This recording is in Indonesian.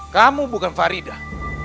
kamu bukan faridah